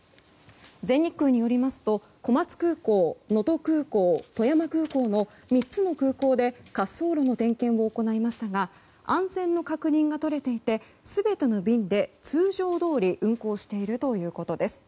全日空によりますと小松空港、能登空港、富山空港の３つの空港で滑走路の点検を行いましたが安全の確認が取れていて全ての便で通常どおり運航しているということです。